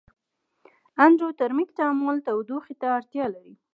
اندوترمیک تعامل تودوخې ته اړتیا لري.